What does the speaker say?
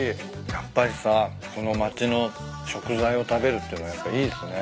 やっぱりさその町の食材を食べるっていうのがやっぱいいっすね。